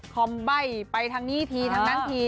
คอมใบ้ไปทั้งนี้ทีทั้งนั้นที